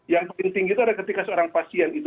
yang paling tinggi itu ada ketika seorang pasien itu